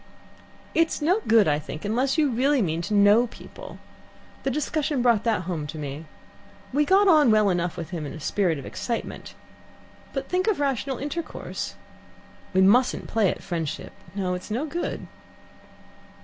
"It's no good, I think, unless you really mean to know people. The discussion brought that home to me. We got on well enough with him in a spirit of excitement, but think of rational intercourse. We mustn't play at friendship. No, it's no good."